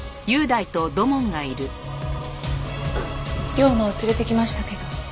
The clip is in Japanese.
遼馬を連れてきましたけど。